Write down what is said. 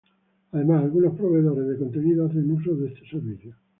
Además, algunos proveedores de contenido hacen uso de este servicio.